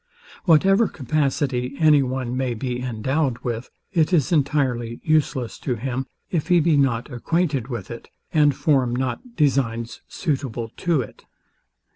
Whatever capacity any one may be endowed with, it is entirely useless to him, if he be not acquainted with it, and form not designs suitable to it.